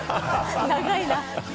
長いな。